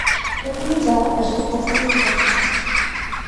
ওখানে যাও এবং ওখানেই থাক।